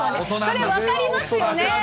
それ、分かりますよね。